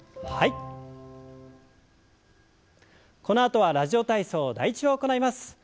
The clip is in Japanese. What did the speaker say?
このあとは「ラジオ体操第１」を行います。